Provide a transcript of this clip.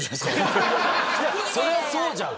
それはそうじゃん！